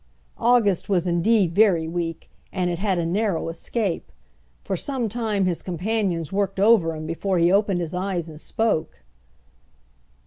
August was indeed very weak, and had had a narrow escape. For some time his companions worked over him before he opened his eyes and spoke.